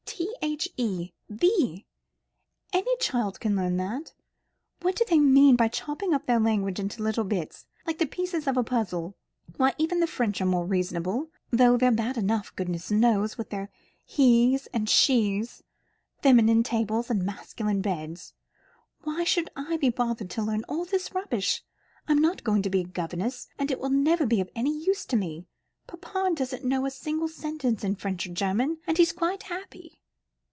T, h, e, the. Any child can learn that. What do they mean by chopping up their language into little bits, like the pieces in a puzzle? Why, even the French are more reasonable though they're bad enough, goodness knows, with their hes and shes feminine tables, and masculine beds. Why should I be bothered to learn all this rubbish? I'm not going to be a governess, and it will never be any use to me. Papa doesn't know a single sentence in French or German, and he's quite happy."